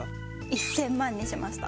１０００万にしました。